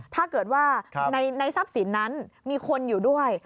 ถ้าเกิดว่าในทรัพย์สินนั้นมีคนอยู่ด้วย